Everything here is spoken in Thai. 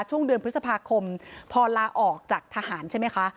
ช่วงเดือนพฤษภาคมพอลาออกจากทหารใช่ไหมคะ